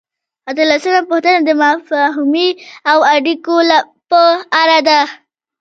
اتلسمه پوښتنه د مفاهمې او اړیکو په اړه ده.